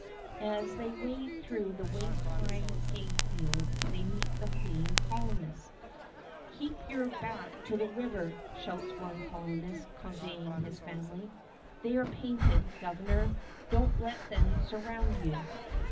As they wade through the waist high hay fields they meet the fleeing colonists. "Keep your back to the river!" shouts one colonist, convoying his family. "They are painted, Governor! Don't let them surround you."